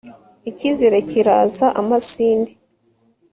icyizere cyiraza amasinde